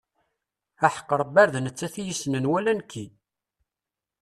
Aḥeqq Rebbi ar d nettat i yessnen wala nekki.